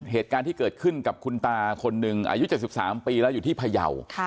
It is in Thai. เหตุการณ์ที่เกิดขึ้นกับคุณตาคนหนึ่งอายุ๗๓ปีแล้วอยู่ที่พยาว